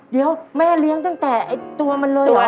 เดี๋ยวแม่เลี้ยงตั้งแต่ตัวมันเลยเหรอ